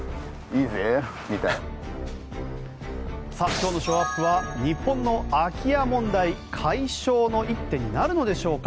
今日のショーアップは日本の空き家問題解消の一手になるのでしょうか。